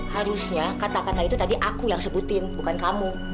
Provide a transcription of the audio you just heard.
harusnya katakanlah itu tadi aku yang sebutin bukan kamu